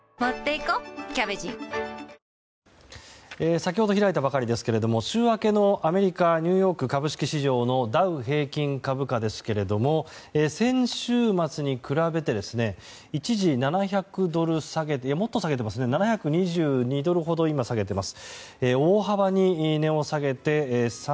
先ほど開いたばかりですけど週明けのアメリカニューヨーク株式市場のダウ平均株価ですけれども先週末に比べて一時７２２ドルほど今、下げています。